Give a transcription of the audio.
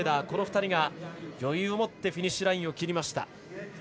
この２人が余裕を持ってフィニッシュラインを切りました。